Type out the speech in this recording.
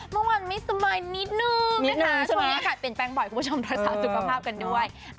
เมื่อวานไม่สบายนิดนึงนะคะช่วงนี้อากาศเปลี่ยนแปลงบ่อยคุณผู้ชมรักษาสุขภาพกันด้วย